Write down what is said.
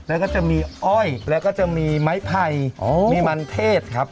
แล้วก็จะมีอ้อยแล้วก็จะมีไม้ไผ่มีมันเทศครับ